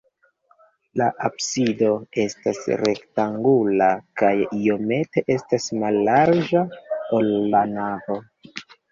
La absido estas rektangula kaj iomete estas mallarĝa, ol la navo.